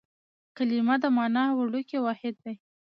کلیمه د مانا وړوکی واحد دئ.